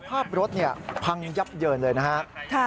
ภาพรถพังยับเยินเลยนะครับ